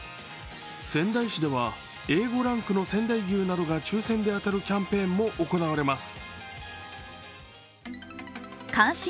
仙台市ではＡ５ランクの仙台牛などが抽選で当たるキャンペーンも行われます。